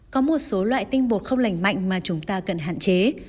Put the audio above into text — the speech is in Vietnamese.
có một số loại tinh bột không lành mạnh mà chúng ta cần hạn chế